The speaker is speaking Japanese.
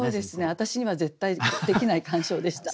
私には絶対できない鑑賞でした。